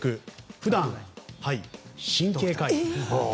普段、神経科医。